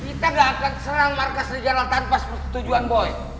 kita gak akan serang markas serigala tanpa setujuan boy